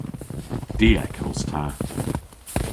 Diek os ta.